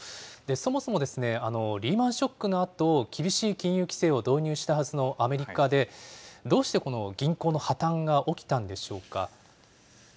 そもそもリーマンショックのあと、厳しい金融規制を導入したはずのアメリカで、どうしてこの、銀行の破綻が起きたんでしょうか。